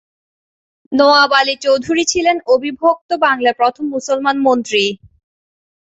নওয়াব আলী চৌধুরী ছিলেন অবিভক্ত বাংলার প্রথম মুসলমান মন্ত্রী।